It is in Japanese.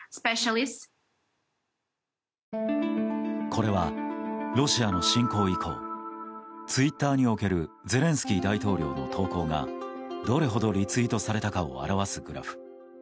これは、ロシアの侵攻以降ツイッターにおけるゼレンスキー大統領の投稿がどれほどリツイートされたかを表すグラフ。